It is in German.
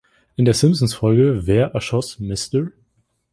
In der Simpsons-Folge "Wer erschoss Mr.